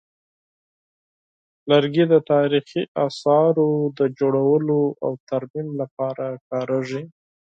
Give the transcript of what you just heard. لرګي د تاریخي اثارو د جوړولو او ترمیم لپاره کارېږي.